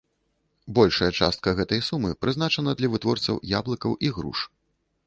Большая частка гэтай сумы прызначана для вытворцаў яблыкаў і груш.